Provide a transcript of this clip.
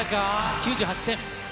９８点。